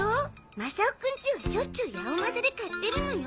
マサオくんちはしょっちゅう八百マサで買ってるのよ。